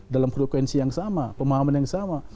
dalam frekuensi yang sama pemahaman yang sama